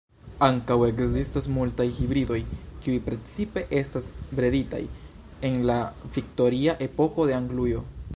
Ankaŭ ekzistas multaj hibridoj, kiuj precipe estas breditaj en la viktoria epoko de Anglujo.